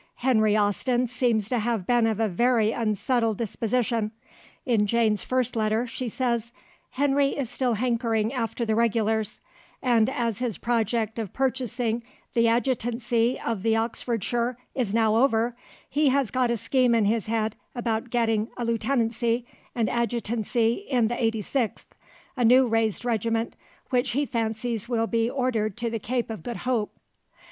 Henry Austen seems to have been of a very unsettled disposition; in Jane's first letter she says,—"Henry is still hankering after the Regulars, and as his project of purchasing the adjutancy of the Oxfordshire is now over, he has got a scheme in his head about getting a lieutenancy and adjutancy in the 86th., a new raised regiment, which he fancies will be ordered to the Cape of Good Hope."